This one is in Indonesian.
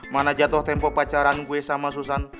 mana jatuh tempo pacaran gue sama susan